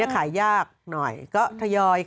องเค้าอยากขายวันนี้ไปให้ปอด